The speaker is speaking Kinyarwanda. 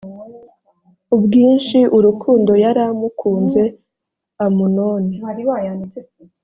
ubwinshi urukundo yari amukunze amunoni